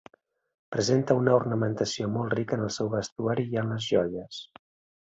Presenta una ornamentació molt rica en el seu vestuari i en les joies.